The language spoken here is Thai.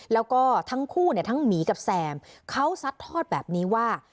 แล้วก็ทั้งคู่เนี่ยทั้งหมีกับแซมเขาซัดทอดแบบนี้ว่า